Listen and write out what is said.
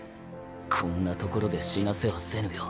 こんな所で死なせはせぬよ。